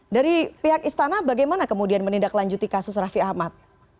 dari pihak istana bagaimana kemudian menindaklanjuti kasus raffi ahmad